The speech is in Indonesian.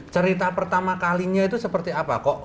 cerita pertama kalinya itu seperti apa kok